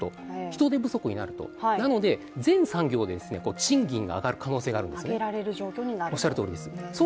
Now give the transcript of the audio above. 人手不足になると、なので全産業で賃金が上がる可能性があるんですね。